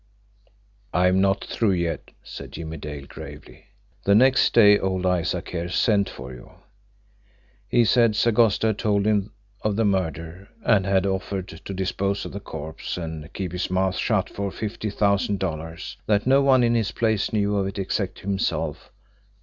"I am not through yet," said Jimmie Dale gravely. "The next day old Isaac here sent for you. He said Sagosto had told him of the murder, and had offered to dispose of the corpse and keep his mouth shut for fifty thousand dollars that no one in his place knew of it except himself.